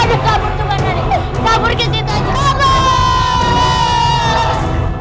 aduh kabur tuh bener nih kabur kesitu aja